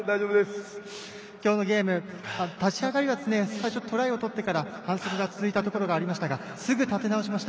今日のゲーム、立ち上がり最初にトライを取ってから反則が続いたところがありましたがすぐ立て直しました。